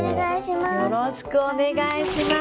よろしくお願いします。